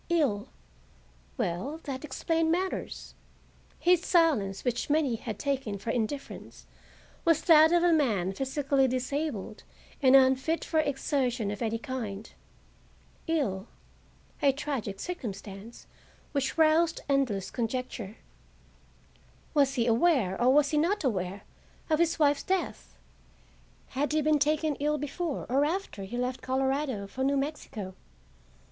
Ill,—well, that explained matters. His silence, which many had taken for indifference, was that of a man physically disabled and unfit for exertion of any kind. Ill,—a tragic circumstance which roused endless conjecture. Was he aware, or was he not aware, of his wife's death? Had he been taken ill before or after he left Colorado for New Mexico?